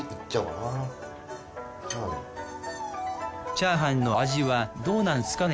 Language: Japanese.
チャーハンの味はどうなんすかね？